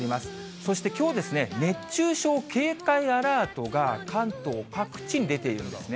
そしてきょう、熱中症警戒アラートが関東各地に出ているんですね。